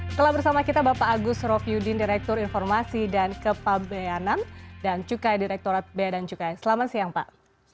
setelah bersama kita bapak agus rofyudin direktur informasi dan kepa bea enam dan cukai direkturat bea dan cukai selamat siang pak